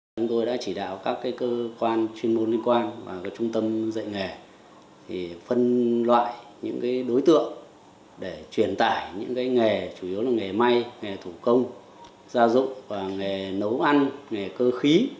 chúng tôi đã chỉ đạo các cơ quan chuyên môn liên quan và trung tâm dạy nghề phân loại những đối tượng để truyền tải những nghề chủ yếu là nghề may nghề thủ công gia dụng và nghề nấu ăn nghề cơ khí